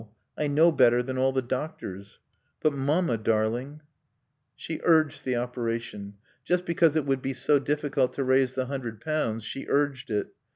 _ I know better than all the doctors." "But Mamma, darling " She urged the operation. Just because it would be so difficult to raise the hundred pounds she urged it.